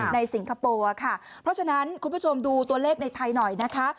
สิงคโปร์ค่ะเพราะฉะนั้นคุณผู้ชมดูตัวเลขในไทยหน่อยนะคะ